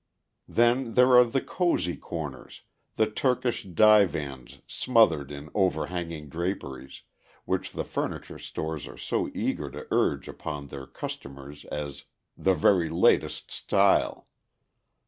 "Then there are the 'cozy corners,' the Turkish divans smothered in over hanging draperies, which the furniture stores are so eager to urge upon their customers as 'the very latest style.